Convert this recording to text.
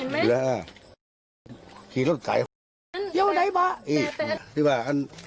เห็นไหมแล้วรถไก่เอ๊ยบ้าถ้าเรากันนี่น่ะ